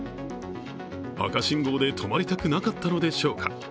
赤信号で止まりたくなかったのでしょうか。